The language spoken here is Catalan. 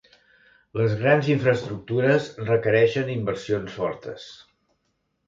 Les grans infraestructures requereixen inversions fortes.